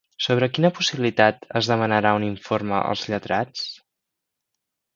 Sobre quina possibilitat es demanarà un informe als lletrats?